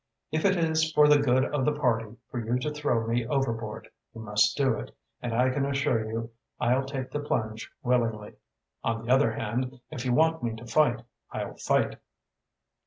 If it is for the good of the party for you to throw me overboard, you must do it, and I can assure you I'll take the plunge willingly. On the other hand, if you want me to fight, I'll fight."